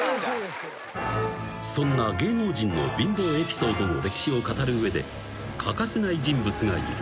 ［そんな芸能人の貧乏エピソードの歴史を語る上で欠かせない人物がいる］